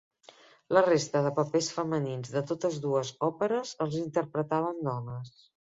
La resta de papers femenins de totes dues òperes els interpretaven dones.